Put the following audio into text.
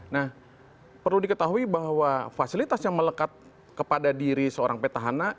nah perlu diketahui bahwa fasilitas yang melekat kepada diri seorang petahana